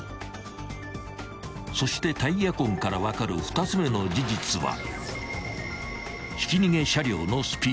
［そしてタイヤ痕から分かる２つ目の事実は］